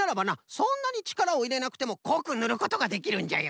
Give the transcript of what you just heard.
そんなにちからをいれなくてもこくぬることができるんじゃよ。